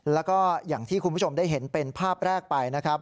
แล้วก็อย่างที่คุณผู้ชมได้เห็นเป็นภาพแรกไปนะครับ